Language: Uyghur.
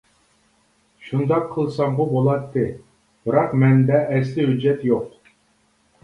شۇنداق قىلسامغۇ بولاتتى، بىراق مەندە ئەسلى ھۆججەت يوق.